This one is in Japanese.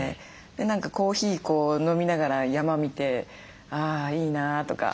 何かコーヒー飲みながら山見て「あいいな」とか。